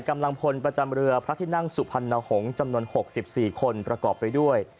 กำลังพลประจำเรือพระทินั่งสุพัณฑงจำนวนหกสิบสี่คนประกอบไปด้วย